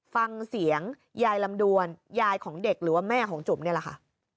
ฟังเสียงยายลำดวนยายของเด็กหรือว่าแม่ของจุ๋มนี่แหละค่ะ